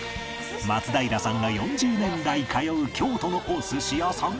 松平さんが４０年来通う京都のお寿司屋さんへ！